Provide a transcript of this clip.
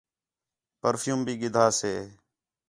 پرفیوم بھی گِدھا سے